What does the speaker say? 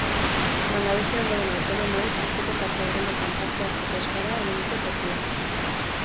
Langabezian dauden autonomoek heziketa programetan parte hartzeko eskaera egin dute popularrek.